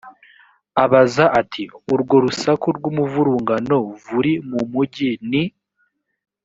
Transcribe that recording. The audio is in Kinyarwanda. abaza ati urwo rusaku rw umuvurungano v uri mu mugi ni